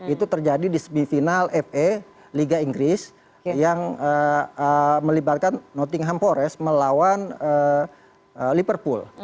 itu terjadi di semifinal fa liga inggris yang melibatkan nottingham forest melawan liverpool